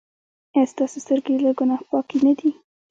ایا ستاسو سترګې له ګناه پاکې نه دي؟